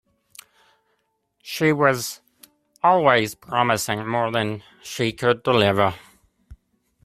She was always promising more than she could deliver.